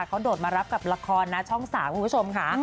เขาโดดมารับกับละครนะช่อง๓คุณผู้ชมค่ะ